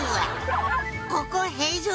「ここ」